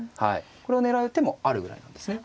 これを狙う手もあるぐらいなんですね。